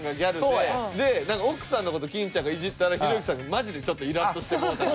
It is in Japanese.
で奥さんの事金ちゃんがイジったらひろゆきさんがマジでちょっとイラッとしてもうた。